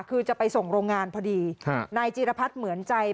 คือจะไปส่งโรงงานพอดีนายจีรพัฒน์เหมือนใจ